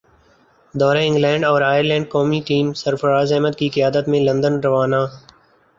دورہ انگلینڈ اور ائرلینڈ قومی ٹیم سرفرازاحمد کی قیادت میں لندن روانہ